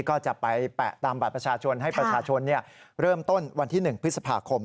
ก็จะไปแปะตามบัตรประชาชนให้ประชาชนเริ่มต้นวันที่๑พฤษภาคม